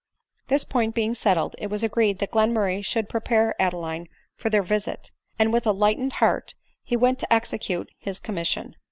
This point being settled, it was agreed that Glenmur ray should prepare Adeline for their visit ; and with a lightened heart he went to execute his commission.